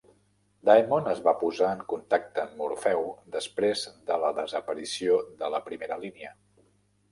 Daemon es va posar en contacte amb Morfeu després de la desaparició de la primera línia.